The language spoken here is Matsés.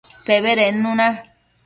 Pebedednu na